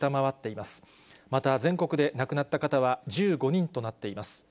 また、全国で亡くなった方は１５人となっています。